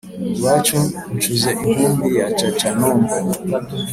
iwa ncuze-inkumbi ya caca-nombo